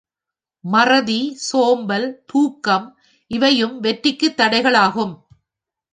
மறதி, சோம்பல், தூக்கம் இவையும் வெற்றிக்குத் தடைகள் ஆகும்.